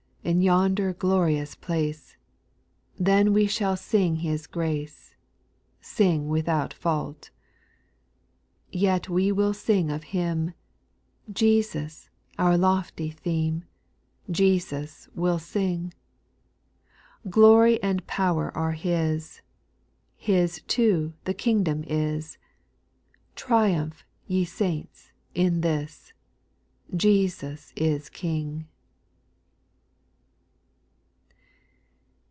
In yonder glorious place, Then we shall sing His grace, Sing without fault. 4. Yet we will sing of Him, — Jesus, our lofty theme, Jesus we '11 sing ; Glory and power are His, His too the kingdom is, Triumph, ye saints, in this, Jesus is King.